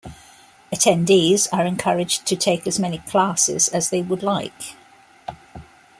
Attendees are encouraged to take as many classes as they would like.